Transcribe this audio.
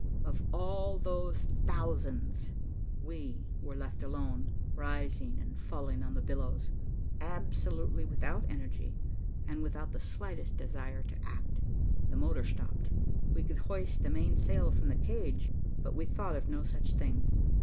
Of all those thousands, we were left alone, rising and falling on the billows, absolutely without energy and without the slightest desire to act. The motor stopped, we could hoist the main sail from the cage, but we thought of no such thing.